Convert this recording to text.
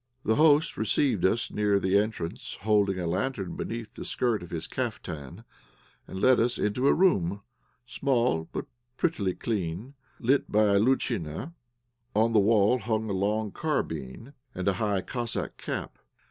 The host received us near the entrance, holding a lantern beneath the skirt of his caftan, and led us into a room, small but prettily clean, lit by a loutchina. On the wall hung a long carbine and a high Cossack cap.